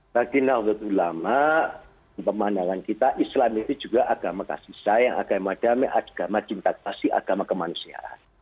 bagi naud ulama pemandangan kita islam itu juga agama kasih sayang agama damai agama cinta kasih agama kemanusiaan